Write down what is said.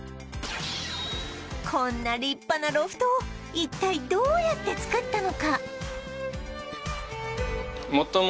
こんな立派なロフトを一体どうやって作ったのか？